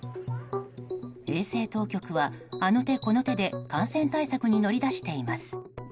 衛生当局は、あの手この手で感染対策に乗り出しています。